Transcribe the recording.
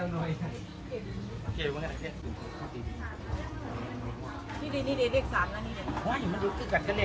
อันนี้ทางขึ้นปะทางขึ้นคนไล่คนขึ้น